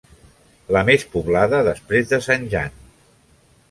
La més poblada després de Zanjan.